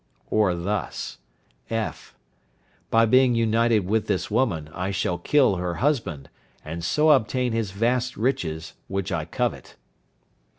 Or thus: (f). By being united with this woman, I shall kill her husband, and so obtain his vast riches which I covet.